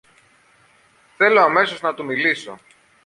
Θέλω αμέσως να του μιλήσω!